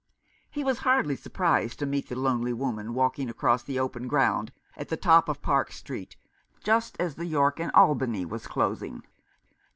He was hardly surprised to meet the lonely woman walking across the open ground at the top of Park Street, just as the York and Albany was closing.